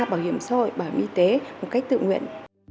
bảo hiểm xã hội bảo hiểm y tế một cách tự nguyện